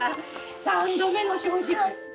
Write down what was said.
三度目の正直。